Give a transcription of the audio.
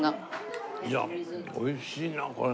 いや美味しいなこれ。